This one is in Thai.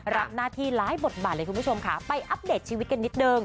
รับหน้าที่หลายบทบาทเลยคุณผู้ชมค่ะไปอัปเดตชีวิตกันนิดนึง